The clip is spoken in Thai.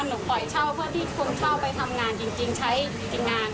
หนูปล่อยเช่าเพื่อที่คุณเช่าไปทำงานจริงใช้ทีมงาน